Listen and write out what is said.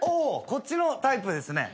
こっちのタイプですね。